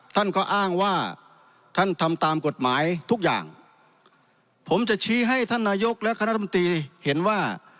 ท่านก็อ้างว่าท่านทำตามกฎหมายทุกอย่างผมจะชี้ให้ท่านนายกและคณะรัฐมนตรีเห็นว่า